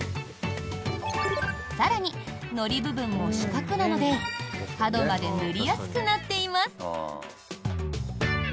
更にのり部分も四角なので角まで塗りやすくなっています。